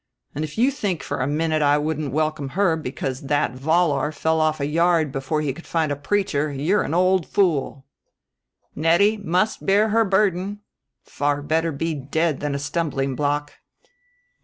And if you think for a minute I wouldn't welcome her because that Vollar fell off a yard before he could find a preacher you're an old fool!" "Nettie must bear her burden: far better be dead than a stumbling block."